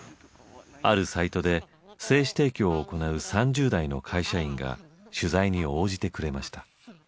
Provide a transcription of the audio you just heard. あるサイトで精子提供を行う３０代の会社員が取材に応じてくれました。